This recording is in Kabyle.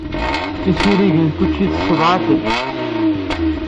Isirigen n tuččit sseḍɛafen.